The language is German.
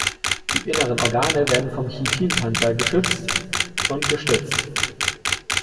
Die inneren Organe werden vom Chitinpanzer geschützt und gestützt.